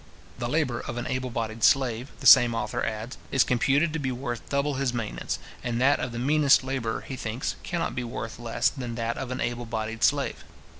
The labour of an able bodied slave, the same author adds, is computed to be worth double his maintenance; and that of the meanest labourer, he thinks, cannot be worth less than that of an able bodied slave.